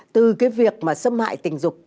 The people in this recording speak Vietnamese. từ cái việc mà xâm mại tình dục